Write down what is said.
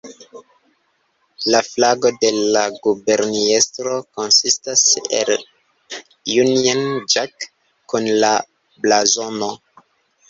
La flago de la guberniestro konsistas el Union Jack kun la blazono.